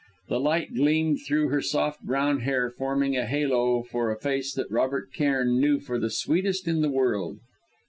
The light gleamed through her soft, brown hair forming a halo for a face that Robert Cairn knew for the sweetest in the world.